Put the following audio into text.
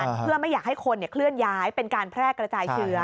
เพื่อไม่อยากให้คนเคลื่อนย้ายเป็นการแพร่กระจายเชื้อ